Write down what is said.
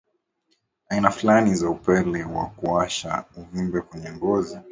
aina fulani za upele wa kuwasha uvimbe kwenye ngozi